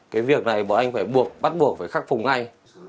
cái việc này bọn anh phải buộc bắt buộc phải khắc phục ngay